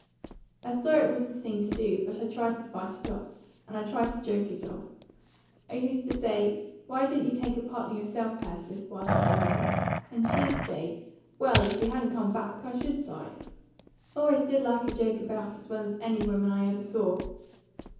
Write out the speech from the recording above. I saw it was the thing to do; but I tried to fight it off, and I tried to joke it off. I used to say, 'Why didn't you take a partner yourself, Persis, while I was away?' And she'd say, 'Well, if you hadn't come back, I should, Si.' Always DID like a joke about as well as any woman I ever saw.